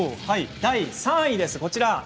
第３位です。